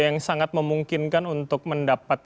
yang sangat memungkinkan untuk mendapat